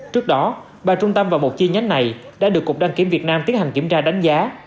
trước đó ba trung tâm và một chi nhánh này đã được cục đăng kiểm việt nam tiến hành kiểm tra đánh giá